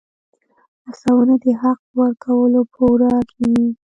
هڅونه د حق په ورکولو پوره کېږي.